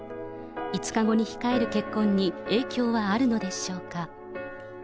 ５日後に控える結婚に影響はあるのでしょうか。